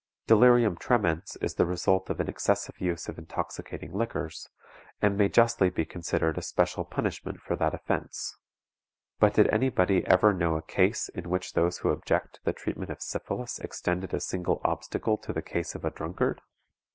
Delirium tremens is the result of an excessive use of intoxicating liquors, and may justly be considered a special punishment for that offense; but did any body ever know a case in which those who object to the treatment of syphilis extended a single obstacle to the case of a drunkard?